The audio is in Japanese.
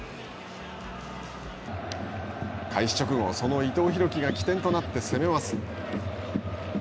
開始直後その伊藤洋輝が起点となって攻めます。